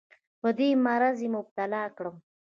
په دې مرض یې مبتلا کړم.